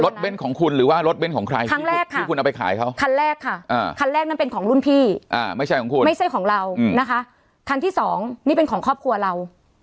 เบ้นของคุณหรือว่ารถเบ้นของใครครั้งแรกค่ะที่คุณเอาไปขายเขาคันแรกค่ะคันแรกนั้นเป็นของรุ่นพี่ไม่ใช่ของคุณไม่ใช่ของเรานะคะคันที่สองนี่เป็นของครอบครัวเรา